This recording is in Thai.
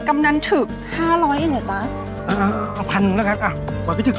ไม่ส่อยจ๊ะพี่